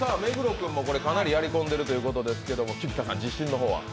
君もかなりやりこんでいるということですけど、菊田さん、自信の方は？